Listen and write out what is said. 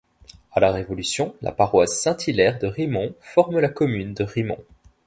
À la Révolution, la paroisse Saint-Hilaire de Rimons forme la commune de Rimons.